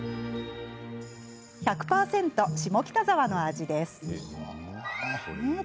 １００％、下北沢の味です。